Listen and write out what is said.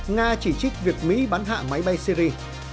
nga chỉ trích việc mỹ bắn hạ máy bay syri